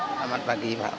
selamat pagi pak